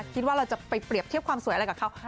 คิดว่าเราจะไปเปรียบเทียบความสวยอะไรกับเขา